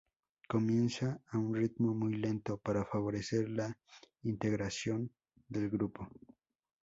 Comienza a un ritmo muy lento para favorecer la integración del grupo.